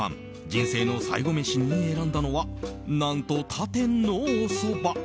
人生の最後メシに選んだのは何と他店のおそば。